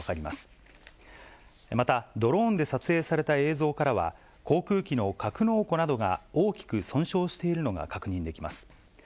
また、ドローンで撮影された映像からは、航空機の格納庫などが大きく損傷しているのが確認できます。